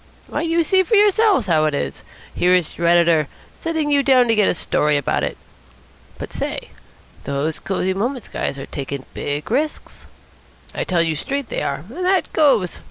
Why, you see for yourselves how it is. Here is your editor sending you down to get a story about it. But, say, those Cosy Moments guys are taking big risks. I tell you straight they are, and that goes.